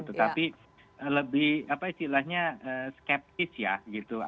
tetapi lebih apa istilahnya skeptis ya gitu